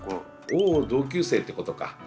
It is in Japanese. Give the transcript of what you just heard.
おお同級生ってことか。